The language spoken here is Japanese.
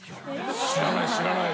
知らない知らない。